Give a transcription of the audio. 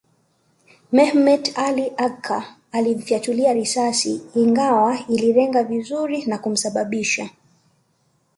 Mehmet Ali Agca alimfyatulia risasi Ingawa alilenga vizuri na kumsababisha